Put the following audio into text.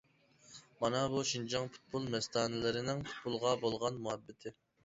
مانا بۇ شىنجاڭ پۇتبول مەستانىلىرىنىڭ پۇتبولغا بولغان مۇھەببىتى!